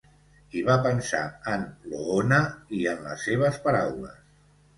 I va pensar en l'Oona i en les seves paraules.